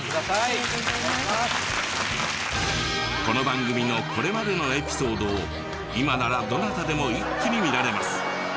この番組のこれまでのエピソードを今ならどなたでも一気に見られます。